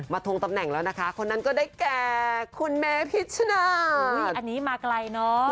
ทงตำแหน่งแล้วนะคะคนนั้นก็ได้แก่คุณเมพิชชนาอันนี้มาไกลเนอะ